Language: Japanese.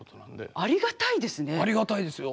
ありがたいですよ。